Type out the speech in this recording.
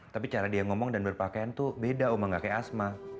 tapi cara dia ngomong dan berpakaian tuh beda oma gak kayak asma